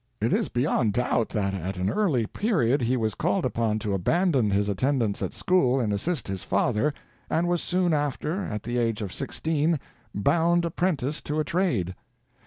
It is beyond doubt that at an early period he was called upon to abandon his attendance at school and assist his father, and was soon after, at the age of sixteen, bound apprentice to a trade.